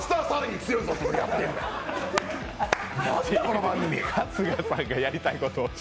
次、春日さんがやりたいことを。